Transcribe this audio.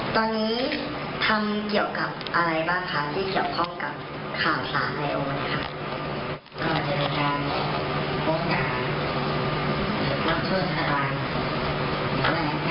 ตอนนี้ทำเกี่ยวกับอะไรบ้างคะที่เกี่ยวพร้อมกับข่าวสารไอโอว่มันครับ